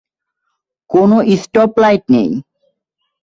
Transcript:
কোন stop light নেই।